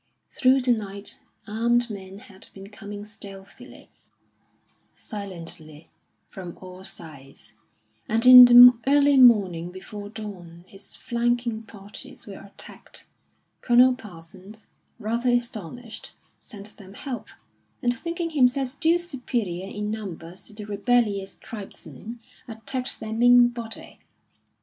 Through the night armed men had been coming stealthily, silently, from all sides; and in the early morning, before dawn, his flanking parties were attacked. Colonel Parsons, rather astonished, sent them help, and thinking himself still superior in numbers to the rebellious tribesmen, attacked their main body.